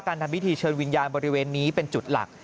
ทำพิธีเชิญวิญญาณบริเวณนี้เป็นจุดหลัก